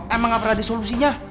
emang gak pernah ada solusinya